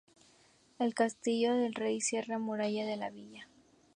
El Castillo del Rey cierra la muralla de la villa.